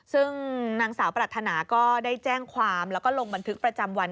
ซึ่งนางสาวปรัฐนาก็ได้แจ้งความแล้วก็ลงบันทึกประจำวัน